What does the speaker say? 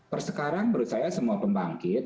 persekarang menurut saya semua pembangkit